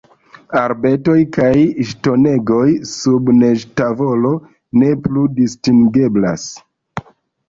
Arbetoj kaj ŝtonegoj, sub neĝtavolo, ne plu distingeblas.